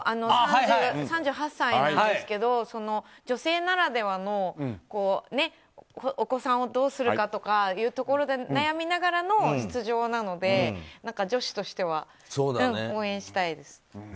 ３８歳なんですけど女性ならではの、お子さんをどうするかとかいうところで悩みながらの出場なので女子としては応援したいです。